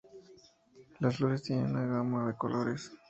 Las flores tienen una gama de colores.